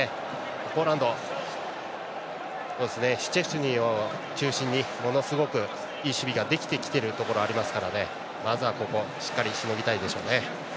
ポーランドシュチェスニーを中心にものすごくいい守備ができてきているところがありますからまず、ここしっかりしのぎたいでしょうね。